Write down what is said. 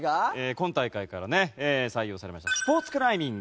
今大会からね採用されましたスポーツクライミング。